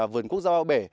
vườn quốc gia ba bể